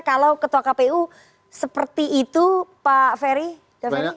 kalau ketua kpu seperti itu pak ferry